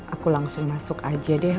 aku langsung masuk aja deh